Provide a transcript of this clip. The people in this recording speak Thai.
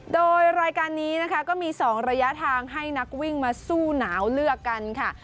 โดยรายการนี้นะคะก็มี๒ระยะทางให้นักวิ่งมาสู้หนาวเลือกกันค่ะ